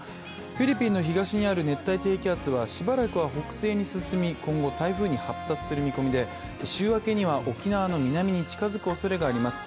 フィリピンの東にある熱帯低気圧はしばらくは北西に進み今後、台風に発達する見込みで週明けには沖縄の南に近づくおそれがあります